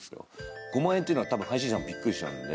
５万円というのは、たぶん配信者もびっくりしちゃうので。